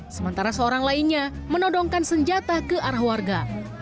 sementara seorang lainnya menodongkan senjata ke arah warga